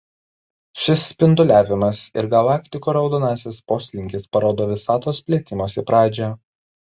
Šis spinduliavimas ir galaktikų raudonasis poslinkis parodo Visatos plėtimosi pradžią.